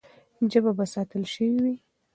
ژبه به ساتل سوې وي.